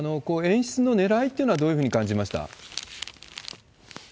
演出のねらいっていうのはどういうふうに感じました？